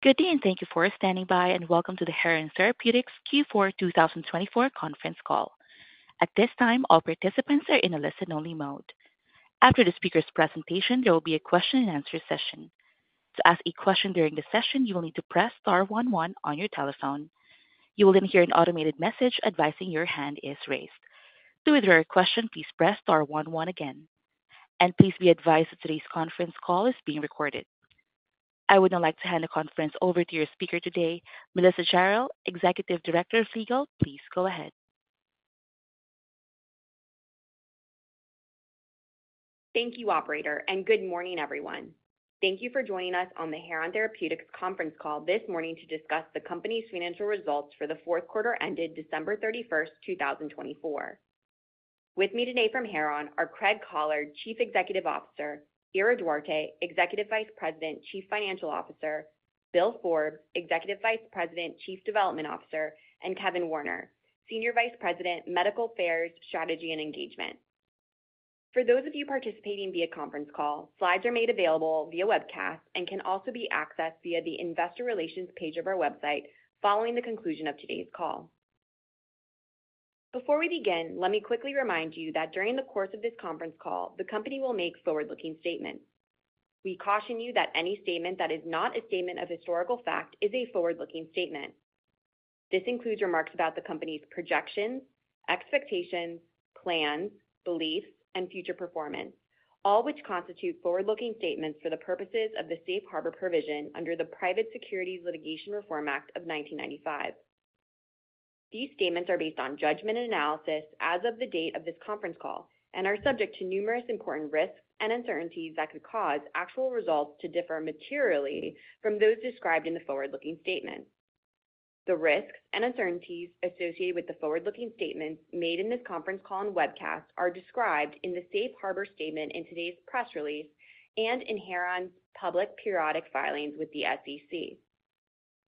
Good day and thank you for standing by, and welcome to the Heron Therapeutics Q4 2024 Conference Call. At this time, all participants are in a listen-only mode. After the speaker's presentation, there will be a question-and-answer session. To ask a question during the session, you will need to press star 11 on your telephone. You will then hear an automated message advising your hand is raised. To withdraw your question, please press star 11 again. Please be advised that today's conference call is being recorded. I would now like to hand the conference over to your speaker today, Melissa Jarel, Executive Director of Legal. Please go ahead. Thank you, Operator, and good morning, everyone. Thank you for joining us on the Heron Therapeutics conference call this morning to discuss the company's financial results for the fourth quarter ended December 31, 2024. With me today from Heron are Craig Collard, Chief Executive Officer; Ira Duarte, Executive Vice President, Chief Financial Officer; Bill Forbes, Executive Vice President, Chief Development Officer; and Kevin Warner, Senior Vice President, Medical Affairs, Strategy, and Engagement. For those of you participating via conference call, slides are made available via webcast and can also be accessed via the Investor Relations page of our website following the conclusion of today's call. Before we begin, let me quickly remind you that during the course of this conference call, the company will make forward-looking statements. We caution you that any statement that is not a statement of historical fact is a forward-looking statement. This includes remarks about the company's projections, expectations, plans, beliefs, and future performance, all which constitute forward-looking statements for the purposes of the Safe Harbor Provision under the Private Securities Litigation Reform Act of 1995. These statements are based on judgment analysis as of the date of this conference call and are subject to numerous important risks and uncertainties that could cause actual results to differ materially from those described in the forward-looking statement. The risks and uncertainties associated with the forward-looking statements made in this conference call and webcast are described in the Safe Harbor Statement in today's press release and in Heron's public periodic filings with the SEC.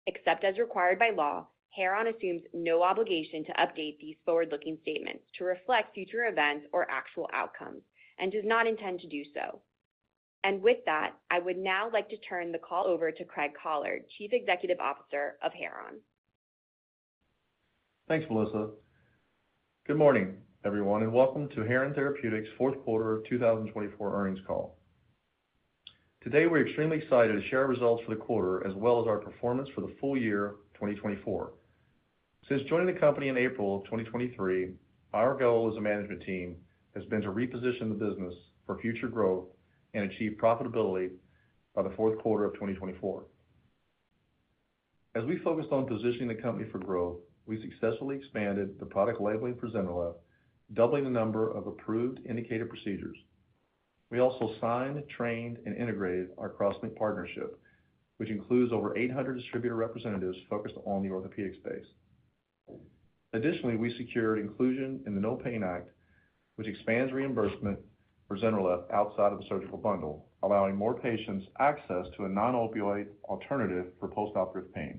Except as required by law, Heron assumes no obligation to update these forward-looking statements to reflect future events or actual outcomes and does not intend to do so. With that, I would now like to turn the call over to Craig Collard, Chief Executive Officer of Heron. Thanks, Melissa. Good morning, everyone, and welcome to Heron Therapeutics' fourth quarter 2024 earnings call. Today, we're extremely excited to share our results for the quarter as well as our performance for the full year 2024. Since joining the company in April of 2023, our goal as a management team has been to reposition the business for future growth and achieve profitability by the fourth quarter of 2024. As we focused on positioning the company for growth, we successfully expanded the product labeling for ZYNRELEF, doubling the number of approved indicated procedures. We also signed, trained, and integrated our CrossLink partnership, which includes over 800 distributor representatives focused on the orthopedic space. Additionally, we secured inclusion in the NOPAIN Act, which expands reimbursement for ZYNRELEF outside of the surgical bundle, allowing more patients access to a non-opioid alternative for post-operative pain.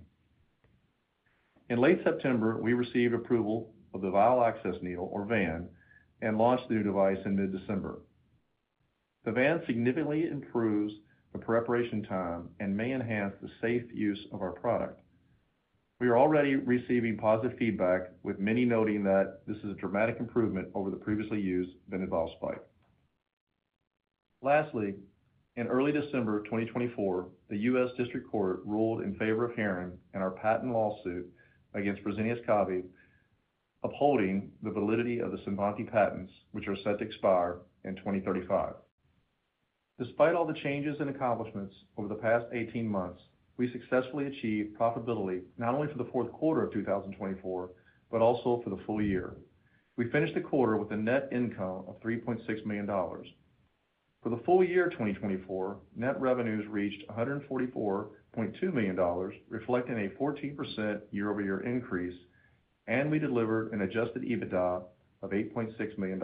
In late September, we received approval of the Vial Access Needle, or VAN, and launched the new device in mid-December. The VAN significantly improves the preparation time and may enhance the safe use of our product. We are already receiving positive feedback, with many noting that this is a dramatic improvement over the previously used vented vial spike. Lastly, in early December 2024, the U.S. District Court ruled in favor of Heron in our patent lawsuit against Fresenius Kabi, upholding the validity of the CINVANTI patents, which are set to expire in 2035. Despite all the changes and accomplishments over the past 18 months, we successfully achieved profitability not only for the fourth quarter of 2024, but also for the full year. We finished the quarter with a net income of $3.6 million. For the full year 2024, net revenues reached $144.2 million, reflecting a 14% year-over-year increase, and we delivered an adjusted EBITDA of $8.6 million.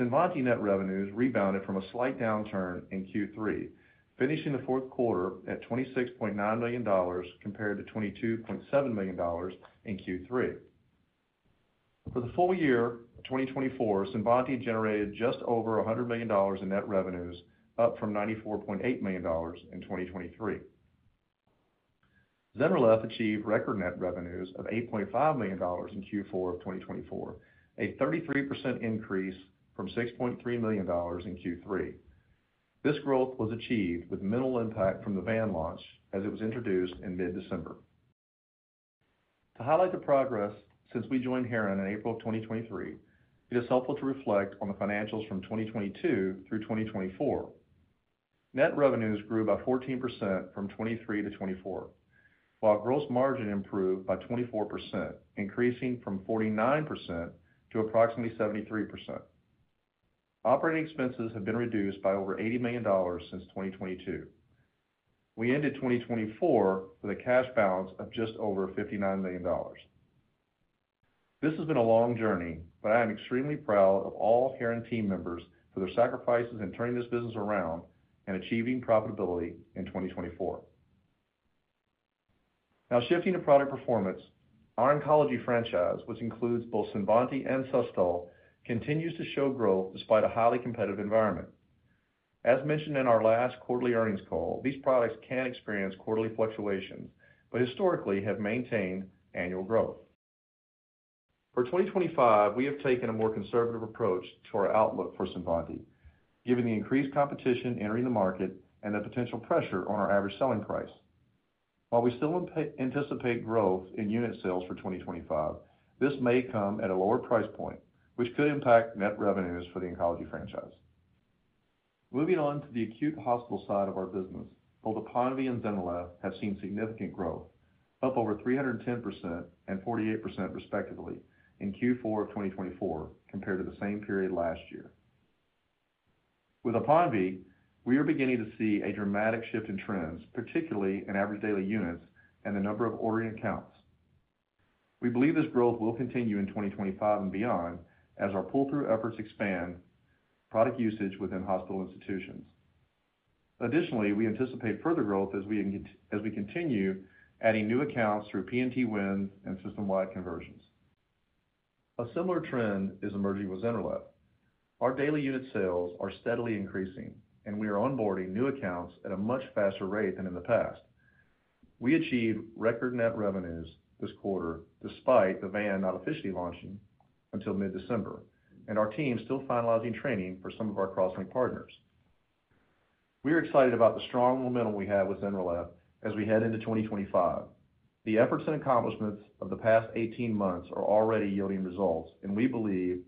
CINVANTI net revenues rebounded from a slight downturn in Q3, finishing the fourth quarter at $26.9 million compared to $22.7 million in Q3. For the full year 2024, CINVANTI generated just over $100 million in net revenues, up from $94.8 million in 2023. ZYNRELEF achieved record net revenues of $8.5 million in Q4 of 2024, a 33% increase from $6.3 million in Q3. This growth was achieved with minimal impact from the VAN launch as it was introduced in mid-December. To highlight the progress since we joined Heron in April of 2023, it is helpful to reflect on the financials from 2022 through 2024. Net revenues grew by 14% from 2023 to 2024, while gross margin improved by 24%, increasing from 49% to approximately 73%. Operating expenses have been reduced by over $80 million since 2022. We ended 2024 with a cash balance of just over $59 million. This has been a long journey, but I am extremely proud of all Heron team members for their sacrifices in turning this business around and achieving profitability in 2024. Now, shifting to product performance, our oncology franchise, which includes both CINVANTI and SUSTOL, continues to show growth despite a highly competitive environment. As mentioned in our last quarterly earnings call, these products can experience quarterly fluctuations, but historically have maintained annual growth. For 2025, we have taken a more conservative approach to our outlook for CINVANTI, given the increased competition entering the market and the potential pressure on our average selling price. While we still anticipate growth in unit sales for 2025, this may come at a lower price point, which could impact net revenues for the oncology franchise. Moving on to the acute hospital side of our business, both APONVIE and ZYNRELEF have seen significant growth, up over 310% and 48% respectively in Q4 of 2024 compared to the same period last year. With APONVIE, we are beginning to see a dramatic shift in trends, particularly in average daily units and the number of ordering accounts. We believe this growth will continue in 2025 and beyond as our pull-through efforts expand product usage within hospital institutions. Additionally, we anticipate further growth as we continue adding new accounts through P&T wins and system-wide conversions. A similar trend is emerging with ZYNRELEF. Our daily unit sales are steadily increasing, and we are onboarding new accounts at a much faster rate than in the past. We achieved record net revenues this quarter despite the Vial Access Needle not officially launching until mid-December, and our team is still finalizing training for some of our CrossLink partners. We are excited about the strong momentum we have with ZYNRELEF as we head into 2025. The efforts and accomplishments of the past 18 months are already yielding results, and we believe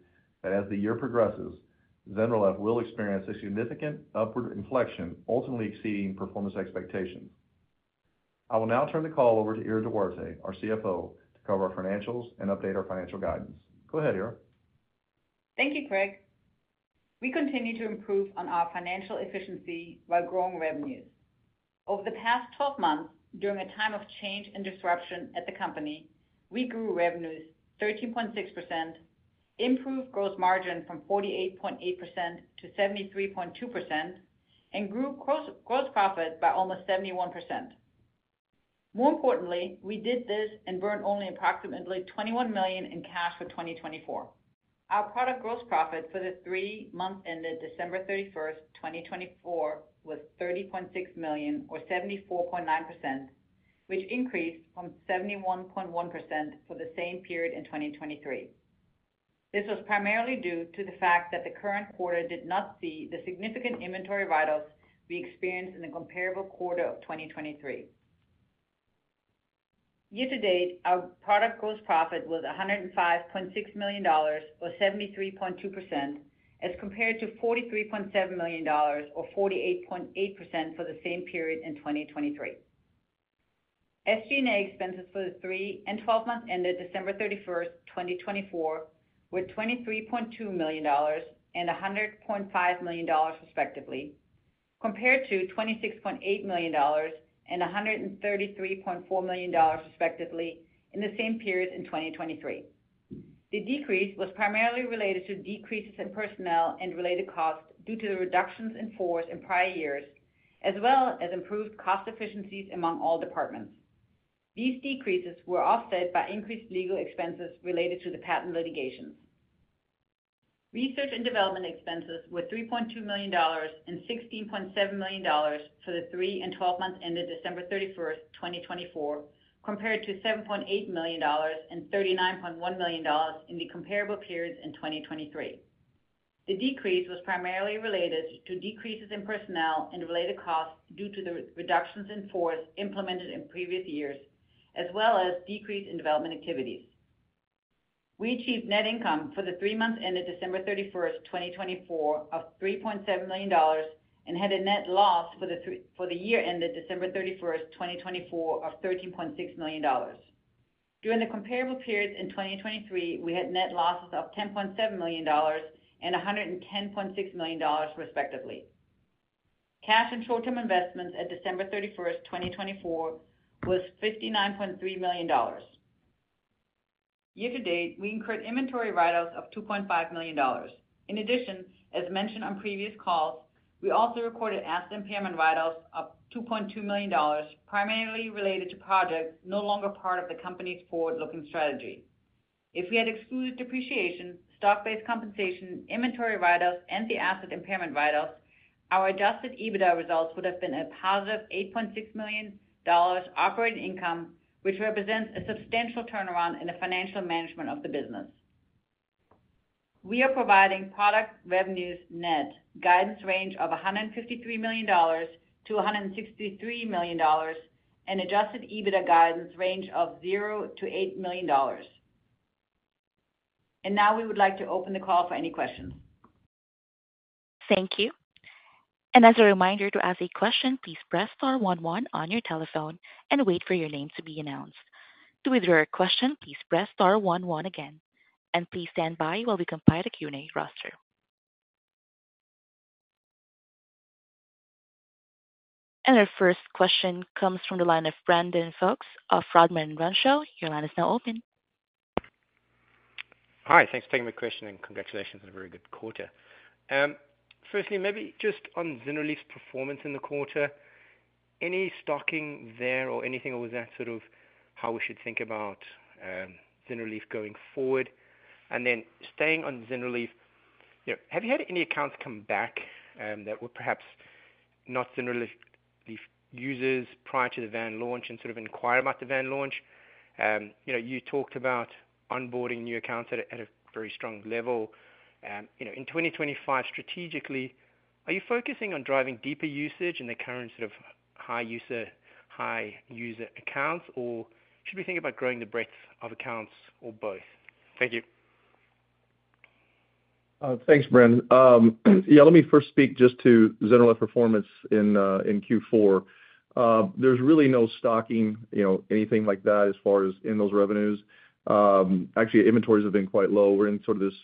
that as the year progresses, ZYNRELEF will experience a significant upward inflection, ultimately exceeding performance expectations. I will now turn the call over to Ira Duarte, our CFO, to cover our financials and update our financial guidance. Go ahead, Ira. Thank you, Craig. We continue to improve on our financial efficiency while growing revenues. Over the past 12 months, during a time of change and disruption at the company, we grew revenues 13.6%, improved gross margin from 48.8% to 73.2%, and grew gross profit by almost 71%. More importantly, we did this and burned only approximately $21 million in cash for 2024. Our product gross profit for the three months ended December 31, 2024, was $30.6 million, or 74.9%, which increased from 71.1% for the same period in 2023. This was primarily due to the fact that the current quarter did not see the significant inventory write-offs we experienced in the comparable quarter of 2023. Year to date, our product gross profit was $105.6 million, or 73.2%, as compared to $43.7 million, or 48.8% for the same period in 2023. SG&A expenses for the three and 12 months ended December 31, 2024, were $23.2 million and $100.5 million, respectively, compared to $26.8 million and $133.4 million, respectively, in the same period in 2023. The decrease was primarily related to decreases in personnel and related costs due to the reductions in force in prior years, as well as improved cost efficiencies among all departments. These decreases were offset by increased legal expenses related to the patent litigations. Research and development expenses were $3.2 million and $16.7 million for the three and 12 months ended December 31, 2024, compared to $7.8 million and $39.1 million in the comparable periods in 2023. The decrease was primarily related to decreases in personnel and related costs due to the reductions in force implemented in previous years, as well as decrease in development activities. We achieved net income for the three months ended December 31, 2024, of $3.7 million and had a net loss for the year ended December 31, 2024, of $13.6 million. During the comparable periods in 2023, we had net losses of $10.7 million and $110.6 million, respectively. Cash and short-term investments at December 31, 2024, was $59.3 million. Year to date, we incurred inventory write-downs of $2.5 million. In addition, as mentioned on previous calls, we also recorded asset impairment write-downs of $2.2 million, primarily related to projects no longer part of the company's forward-looking strategy. If we had excluded depreciation, stock-based compensation, inventory write-downs, and the asset impairment write-downs, our adjusted EBITDA results would have been a positive $8.6 million operating income, which represents a substantial turnaround in the financial management of the business. We are providing product revenues net, guidance range of $153 million-$163 million, and adjusted EBITDA guidance range of $0-$8 million. We would like to open the call for any questions. Thank you. As a reminder to ask a question, please press star 11 on your telephone and wait for your name to be announced. To withdraw your question, please press star 11 again. Please stand by while we compile the Q&A roster. Our first question comes from the line of Brandon Folkes of Rodman & Renshaw. Your line is now open. Hi, thanks for taking my question and congratulations on a very good quarter. Firstly, maybe just on ZYNRELEF's performance in the quarter, any stocking there or anything? Or was that sort of how we should think about ZYNRELEF going forward? Staying on ZYNRELEF, have you had any accounts come back that were perhaps not ZYNRELEF users prior to the VAN launch and sort of inquire about the VAN launch? You talked about onboarding new accounts at a very strong level. In 2025, strategically, are you focusing on driving deeper usage in the current sort of high user accounts, or should we think about growing the breadth of accounts or both? Thank you. Thanks, Brandon. Yeah, let me first speak just to ZYNRELEF performance in Q4. There's really no stocking, anything like that as far as in those revenues. Actually, inventories have been quite low. We're in sort of this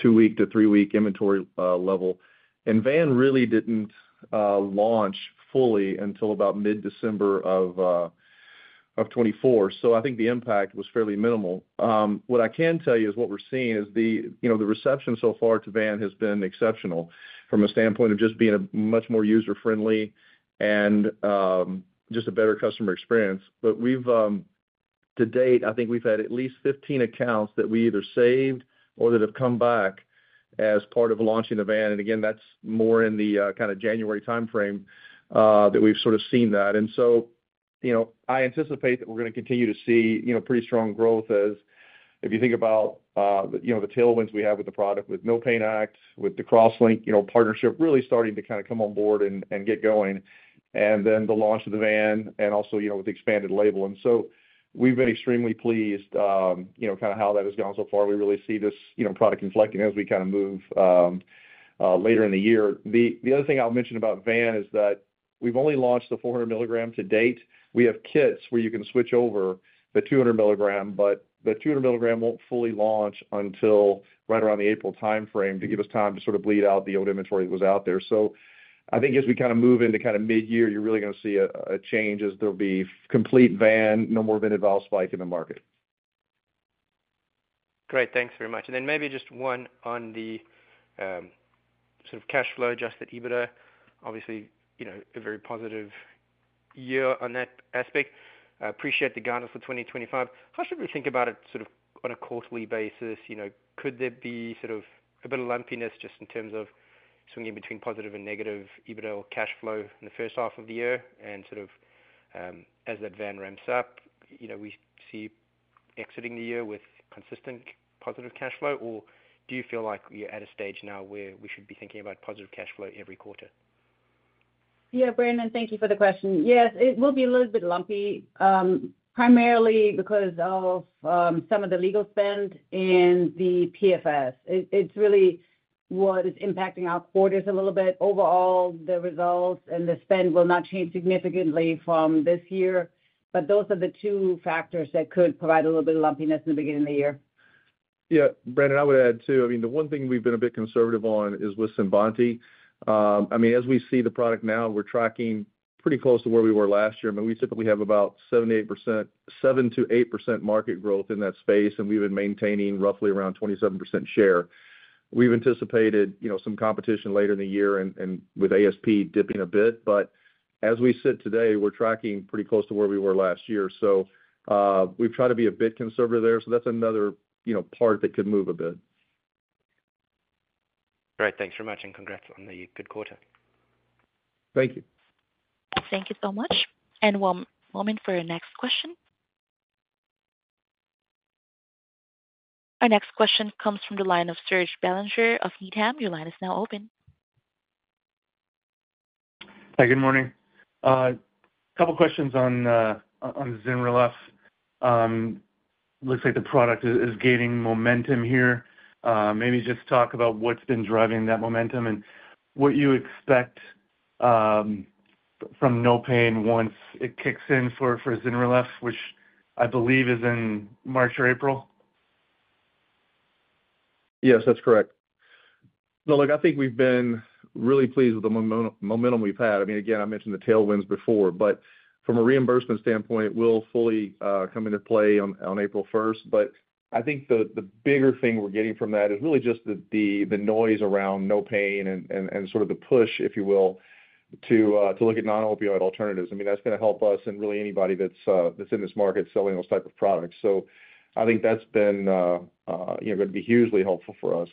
two-week to three-week inventory level. And VAN really didn't launch fully until about mid-December of 2024. I think the impact was fairly minimal. What I can tell you is what we're seeing is the reception so far to VAN has been exceptional from a standpoint of just being much more user-friendly and just a better customer experience. To date, I think we've had at least 15 accounts that we either saved or that have come back as part of launching the VAN. Again, that's more in the kind of January timeframe that we've sort of seen that. I anticipate that we're going to continue to see pretty strong growth as you think about the tailwinds we have with the product, with the NOPAIN Act, with the CrossLink partnership really starting to kind of come on board and get going, and then the launch of the VAN and also with the expanded label. We have been extremely pleased with how that has gone so far. We really see this product inflecting as we move later in the year. The other thing I'll mention about VAN is that we've only launched the 400 milligram to date. We have kits where you can switch over to the 200 milligram, but the 200 milligram will not fully launch until right around the April timeframe to give us time to sort of bleed out the old inventory that was out there. I think as we kind of move into kind of mid-year, you're really going to see a change as there'll be complete VAN, no more vented vial spike in the market. Great. Thanks very much. Maybe just one on the sort of cash flow adjusted EBITDA. Obviously, a very positive year on that aspect. Appreciate the guidance for 2025. How should we think about it sort of on a quarterly basis? Could there be sort of a bit of lumpiness just in terms of swinging between positive and negative EBITDA or cash flow in the first half of the year? Sort of as that VAN ramps up, we see exiting the year with consistent positive cash flow, or do you feel like you're at a stage now where we should be thinking about positive cash flow every quarter? Yeah, Brandon, thank you for the question. Yes, it will be a little bit lumpy, primarily because of some of the legal spend and the PFS. It's really what is impacting our quarters a little bit. Overall, the results and the spend will not change significantly from this year, but those are the two factors that could provide a little bit of lumpiness in the beginning of the year. Yeah, Brandon, I would add too. I mean, the one thing we've been a bit conservative on is with CINVANTI. I mean, as we see the product now, we're tracking pretty close to where we were last year. I mean, we typically have about 7-8% market growth in that space, and we've been maintaining roughly around 27% share. We've anticipated some competition later in the year and with ASP dipping a bit. As we sit today, we're tracking pretty close to where we were last year. We've tried to be a bit conservative there. That's another part that could move a bit. Great. Thanks very much, and congrats on the good quarter. Thank you. Thank you so much. One moment for our next question. Our next question comes from the line of Serge Belanger of Needham. Your line is now open. Hi, good morning. A couple of questions on ZYNRELEF. Looks like the product is gaining momentum here. Maybe just talk about what's been driving that momentum and what you expect from NOPAIN once it kicks in for ZYNRELEF, which I believe is in March or April. Yes, that's correct. No, look, I think we've been really pleased with the momentum we've had. I mean, again, I mentioned the tailwinds before, but from a reimbursement standpoint, it will fully come into play on April 1. I think the bigger thing we're getting from that is really just the noise around NOPAIN and sort of the push, if you will, to look at non-opioid alternatives. I mean, that's going to help us and really anybody that's in this market selling those types of products. I think that's been going to be hugely helpful for us.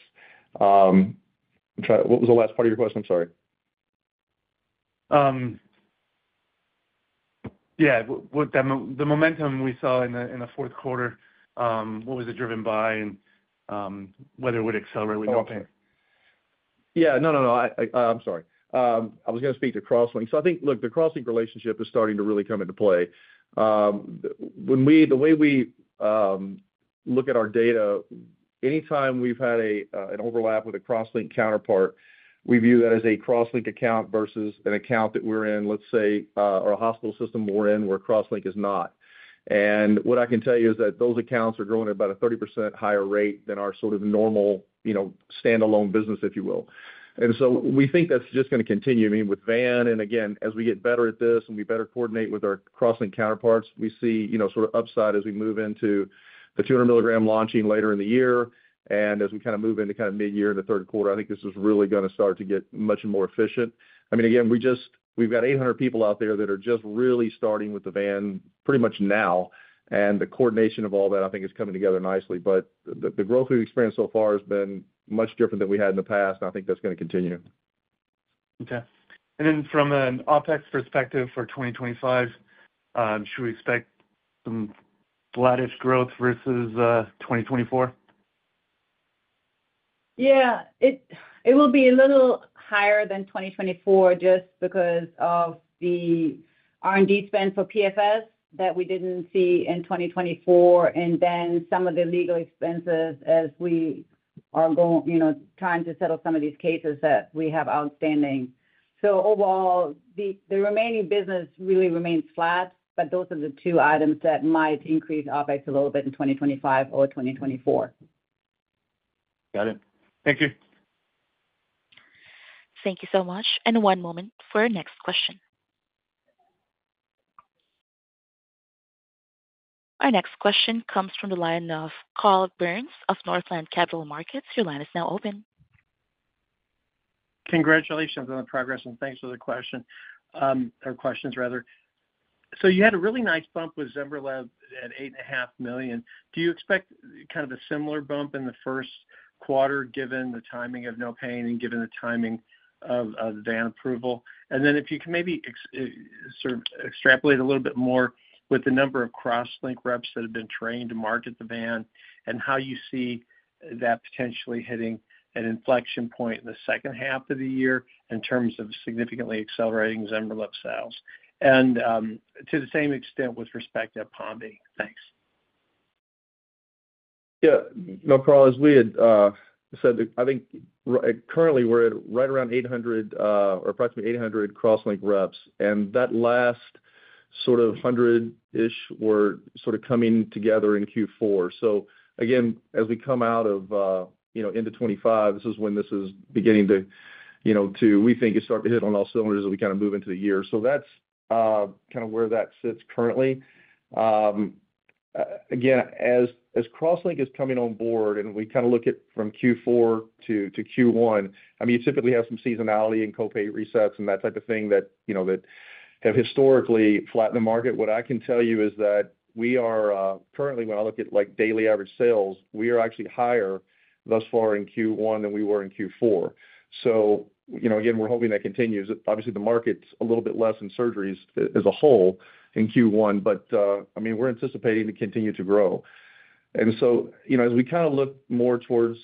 What was the last part of your question? I'm sorry. Yeah, the momentum we saw in the fourth quarter, what was it driven by and whether it would accelerate with NOPAIN? Yeah, no, no. I'm sorry. I was going to speak to CrossLink. I think, look, the CrossLink relationship is starting to really come into play. The way we look at our data, anytime we've had an overlap with a CrossLink counterpart, we view that as a CrossLink account versus an account that we're in, let's say, or a hospital system we're in where CrossLink is not. What I can tell you is that those accounts are growing at about a 30% higher rate than our sort of normal standalone business, if you will. We think that's just going to continue. I mean, with VAN, and again, as we get better at this and we better coordinate with our CrossLink counterparts, we see sort of upside as we move into the 200 milligram launching later in the year. As we kind of move into kind of mid-year in the third quarter, I think this is really going to start to get much more efficient. I mean, again, we've got 800 people out there that are just really starting with the VAN pretty much now. The coordination of all that, I think, is coming together nicely. The growth we've experienced so far has been much different than we had in the past, and I think that's going to continue. Okay. From an OPEX perspective for 2025, should we expect some flattish growth versus 2024? Yeah, it will be a little higher than 2024 just because of the R&D spend for PFS that we didn't see in 2024, and then some of the legal expenses as we are trying to settle some of these cases that we have outstanding. Overall, the remaining business really remains flat, but those are the two items that might increase OPEX a little bit in 2025 or 2024. Got it. Thank you. Thank you so much. One moment for our next question. Our next question comes from the line of Carl Byrnes of Northland Capital Markets. Your line is now open. Congratulations on the progress, and thanks for the question or questions, rather. You had a really nice bump with ZYNRELEF at $8.5 million. Do you expect kind of a similar bump in the first quarter given the timing of the NOPAIN Act and given the timing of the VAN approval? If you can maybe sort of extrapolate a little bit more with the number of CrossLink reps that have been trained to market the VAN and how you see that potentially hitting an inflection point in the second half of the year in terms of significantly accelerating ZYNRELEF sales. To the same extent with respect to APONVIE. Thanks. Yeah, no problem. As we had said, I think currently we're at right around 800 or approximately 800 CrossLink reps, and that last sort of 100-ish were sort of coming together in Q4. As we come out of into 2025, this is when this is beginning to, we think, start to hit on all cylinders as we kind of move into the year. That's kind of where that sits currently. Again, as CrossLink is coming on board and we kind of look at from Q4 to Q1, I mean, you typically have some seasonality and copay resets and that type of thing that have historically flattened the market. What I can tell you is that we are currently, when I look at daily average sales, we are actually higher thus far in Q1 than we were in Q4. We're hoping that continues. Obviously, the market's a little bit less in surgeries as a whole in Q1, but I mean, we're anticipating to continue to grow. As we kind of look more towards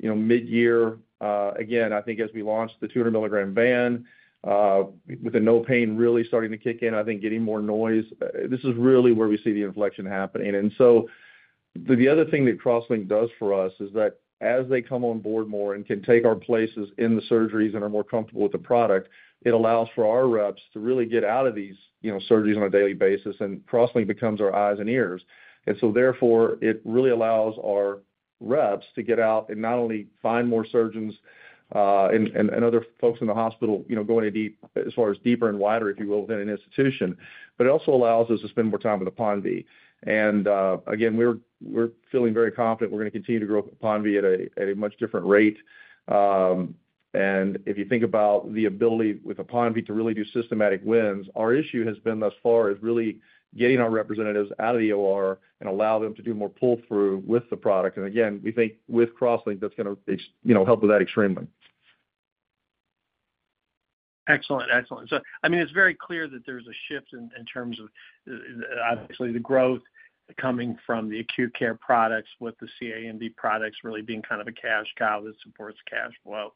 mid-year, again, I think as we launch the 200 milligram VAN with the NOPAIN really starting to kick in, I think getting more noise, this is really where we see the inflection happening. The other thing that CrossLink does for us is that as they come on board more and can take our places in the surgeries and are more comfortable with the product, it allows for our reps to really get out of these surgeries on a daily basis, and CrossLink becomes our eyes and ears. Therefore, it really allows our reps to get out and not only find more surgeons and other folks in the hospital, going as far as deeper and wider, if you will, within an institution, but it also allows us to spend more time with APONVIE. Again, we're feeling very confident we're going to continue to grow with APONVIE at a much different rate. If you think about the ability with APONVIE to really do systematic wins, our issue has been thus far really getting our representatives out of the OR and allowing them to do more pull-through with the product. Again, we think with CrossLink, that's going to help with that extremely. Excellent. Excellent. I mean, it's very clear that there's a shift in terms of obviously the growth coming from the acute care products with the CINV products really being kind of a cash cow that supports cash flow.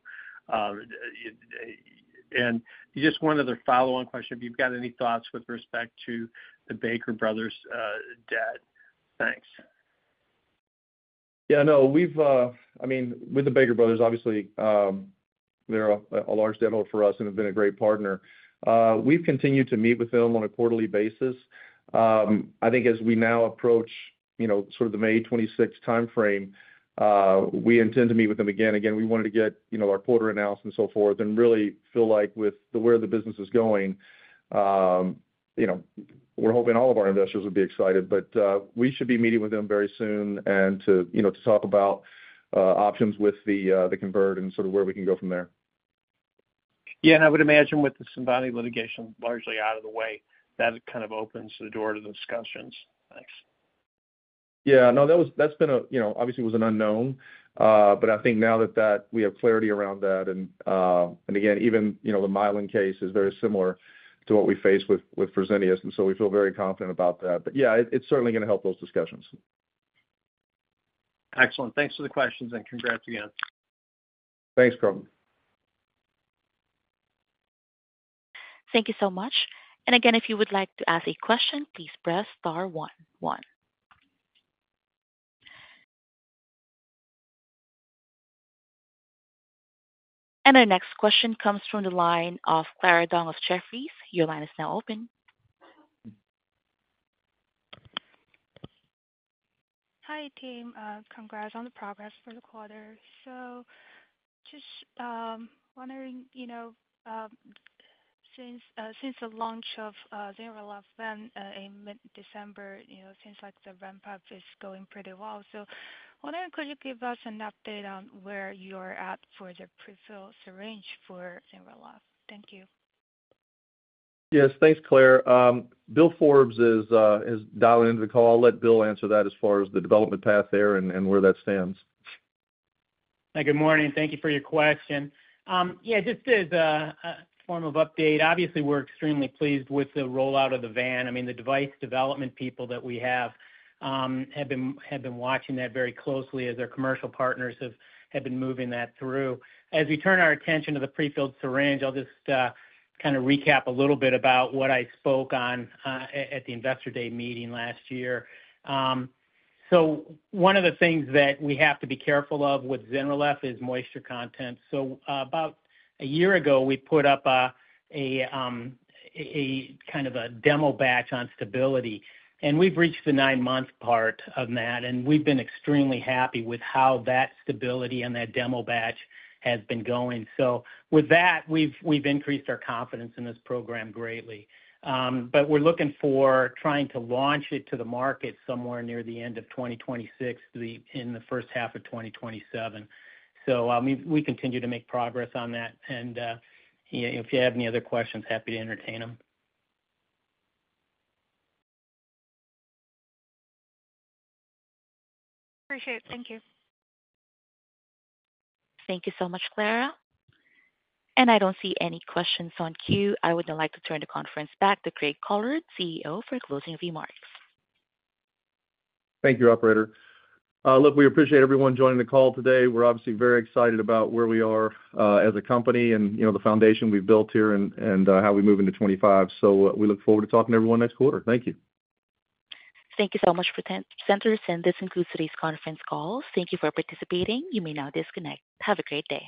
Just one other follow-on question. If you've got any thoughts with respect to the Baker Brothers debt. Thanks. Yeah, no, I mean, with the Baker Brothers, obviously, they're a large debt holder for us and have been a great partner. We've continued to meet with them on a quarterly basis. I think as we now approach sort of the May 2026 timeframe, we intend to meet with them again. Again, we wanted to get our quarter announced and so forth and really feel like with where the business is going, we're hoping all of our investors would be excited, but we should be meeting with them very soon and to talk about options with the convert and sort of where we can go from there. Yeah. I would imagine with the CINVANTI litigation largely out of the way, that kind of opens the door to discussions. Thanks. Yeah. No, that's been a, obviously, it was an unknown, but I think now that we have clarity around that, and again, even the Mylan case is very similar to what we faced with Fresenius. I think we feel very confident about that. Yeah, it's certainly going to help those discussions. Excellent. Thanks for the questions and congrats again. Thanks, Carl. Thank you so much. If you would like to ask a question, please press star one. Our next question comes from the line of Clara Dong of Jefferies. Your line is now open. Hi, team. Congrats on the progress for the quarter. Just wondering, since the launch of ZYNRELEF in mid-December, seems like the ramp-up is going pretty well. I wonder if you could give us an update on where you are at for the pre-filled syringe for ZYNRELEF. Thank you. Yes. Thanks, Clara. Bill Forbes is dialing into the call. I'll let Bill answer that as far as the development path there and where that stands. Hi, good morning. Thank you for your question. Yeah, just as a form of update, obviously, we're extremely pleased with the rollout of the VAN. I mean, the device development people that we have have been watching that very closely as our commercial partners have been moving that through. As we turn our attention to the pre-filled syringe, I'll just kind of recap a little bit about what I spoke on at the Investor Day meeting last year. One of the things that we have to be careful of with ZYNRELEF is moisture content. About a year ago, we put up a kind of a demo batch on stability, and we've reached the nine-month part of that, and we've been extremely happy with how that stability and that demo batch has been going. With that, we've increased our confidence in this program greatly. We're looking for trying to launch it to the market somewhere near the end of 2026 in the first half of 2027. We continue to make progress on that. If you have any other questions, happy to entertain them. Appreciate it. Thank you. Thank you so much, Clara. I do not see any questions on cue. I would now like to turn the conference back to Craig Collard, CEO, for closing remarks. Thank you, Operator. Look, we appreciate everyone joining the call today. We're obviously very excited about where we are as a company and the foundation we've built here and how we move into 2025. We look forward to talking to everyone next quarter. Thank you. Thank you so much, presenters, and this concludes today's conference call. Thank you for participating. You may now disconnect. Have a great day.